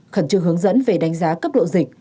khẩn trương hướng dẫn về đánh giá cấp độ dịch